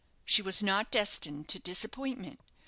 She was not destined to disappointment.